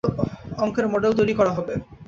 অঙ্কের মডেল তৈরি করা হবে।